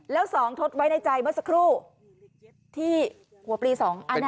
แล้ว๒ทดไว้ในใจเมื่อสักครู่ที่หัวปลี๒อัน